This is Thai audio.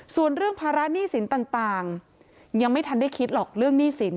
ส่วนเรื่องภาระหนี้สินต่างยังไม่ทันได้คิดหรอกเรื่องหนี้สิน